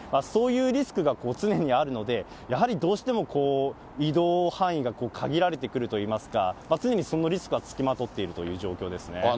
そういうリスクが常にあるので、やはりどうしても移動範囲が限られてくるといいますか、常にそのリスクは付きまとっているという状況ですね。